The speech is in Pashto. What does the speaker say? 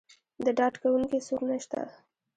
د ډاډکوونکي څوک نه شته.